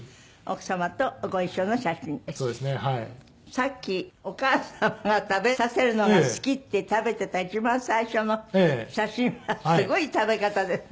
さっきお母様が食べさせるのが好きって食べていた一番最初の写真はすごい食べ方ですね。